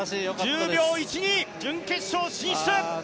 １０秒１２、準決勝進出。